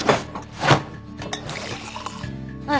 はい。